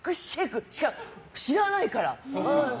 それしか知らないから。